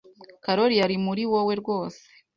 Karoli yari muri wowe rwose.